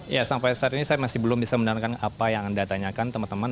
ya sampai saat ini saya masih belum bisa mendengarkan apa yang anda tanyakan teman teman